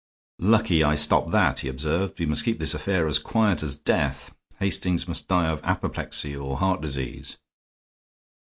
"Lucky I stopped that," he observed. "We must keep this affair as quiet as death. Hastings must die of apoplexy or heart disease."